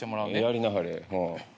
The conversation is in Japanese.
やりなはれ。